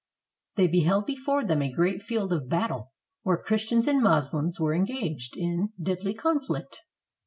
They beheld before them a great field of battle, where Christians and Moslems were engaged in deadly conflict.